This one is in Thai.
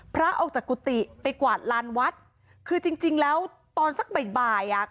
พระออกจากกุฏิไปกวาดลานวัดคือจริงแล้วตอนสักบ่าย